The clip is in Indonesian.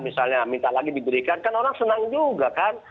misalnya minta lagi diberikan kan orang senang juga kan